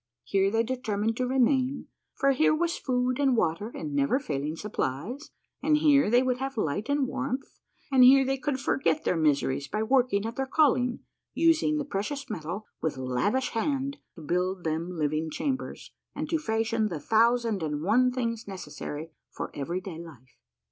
" Here they determined to remain, for here was food and water in never failing supplies, and here they would have light and warmth, and liere they could forget their miseries by work ing at their calling, using the precious metal with lavish hand to build them living chambers, and to fashion the thousand and one things necessary for every day life.